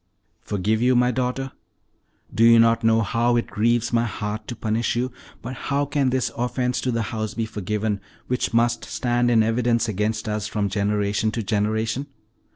"Forgive you, my daughter? Do you not know how it grieves my heart to punish you; but how can this offense to the house be forgiven, which must stand in evidence against us from generation to generation?